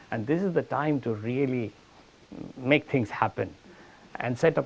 dan ini adalah waktu untuk melakukan hal hal tersebut